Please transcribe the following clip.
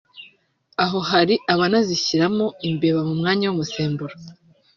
aho hari abanazishyiramo imbeba mu mwanya w’umusemburo”